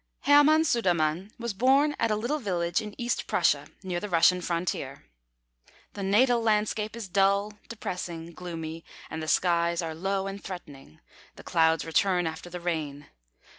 Hermann Sudermann was born at a little village in East Prussia, near the Russian frontier. The natal landscape is dull, depressing, gloomy, and the skies are low and threatening. The clouds return after the rain.